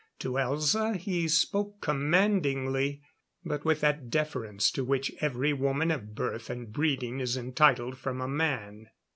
To Elza he spoke commandingly, but with that deference to which every woman of birth and breeding is entitled from a man.